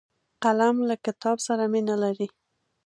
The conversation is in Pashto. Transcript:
قلم له کتاب سره مینه لري